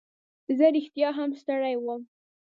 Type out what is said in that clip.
زه رښتیا هم ستړی وم.